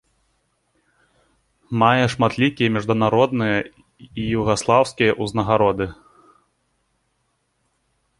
Мае шматлікія міжнародныя і югаслаўскія ўзнагароды.